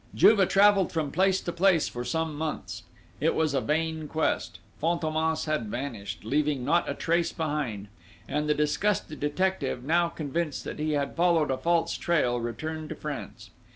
Juve travelled from place to place for some months. It was a vain quest: Fantômas had vanished, leaving not a trace behind, and the disgusted detective, now convinced that he had followed a false trail, returned to France.